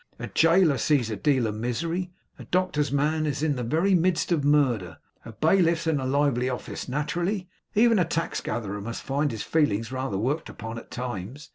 A jailor sees a deal of misery. A doctor's man is in the very midst of murder. A bailiff's an't a lively office nat'rally. Even a tax gatherer must find his feelings rather worked upon, at times.